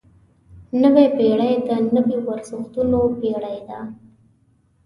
نوې پېړۍ د نویو ارزښتونو پېړۍ ده.